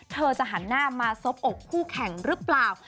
เธอจะหันหน้ามาซบอกคู่แข่งหรือเปล่า